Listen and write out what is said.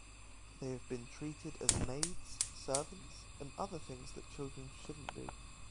They have been treated as maids, servants, and other things that children shouldn't be.